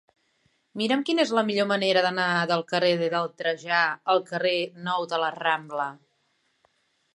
Mira'm quina és la millor manera d'anar del carrer de Trajà al carrer Nou de la Rambla.